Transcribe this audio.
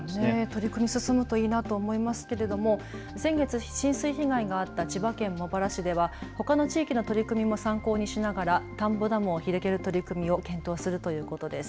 取り組みが進むといいなと思いますけれども先月、浸水被害があった千葉県茂原市ではほかの地域の取り組みも参考にしながら田んぼダムを広げる取り組みを検討するということです。